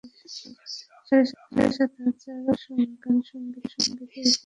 সাড়ে সাত হাজার গানসংগীতের ইতিহাসে সবচেয়ে বেশি গান রেকর্ডের ইতিহাস আশা ভোঁসলের।